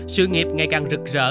sự nghiệp ngày càng rực rỡ